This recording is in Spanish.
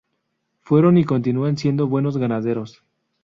Fueron y continúan siendo buenos ganaderos.